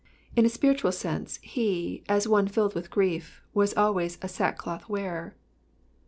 Id a spiritual sense he, as one filled with grief, was always a sackcloth wearer.